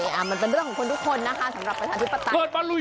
มันเป็นเรื่องของคนทุกคนนะคะสำหรับประชาธิปไตย